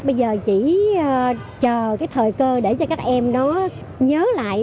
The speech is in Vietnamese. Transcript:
bây giờ chỉ chờ cái thời cơ để cho các em nó nhớ lại